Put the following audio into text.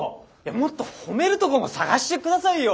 もっと褒めるとこも探して下さいよ。